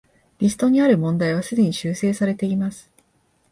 リストにある問題はすでに修正されています